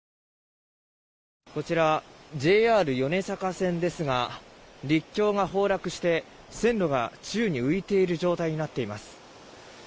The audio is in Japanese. こちら、ＪＲ米坂線ですが陸橋が崩落して線路が宙に浮いている状態になっています。